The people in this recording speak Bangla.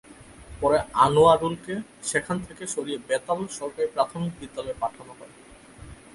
পরে আনোয়ারুলকে সেখান থেকে সরিয়ে বেতাল সরকারি প্রাথমিক বিদ্যালয়ে পাঠানো হয়।